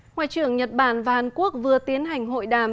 ngoại trưởng nhật bản và hàn quốc vừa tiến hành hội đàm